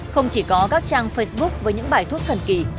không chỉ có các trang facebook với những bài thuốc thần kỳ